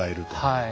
はい。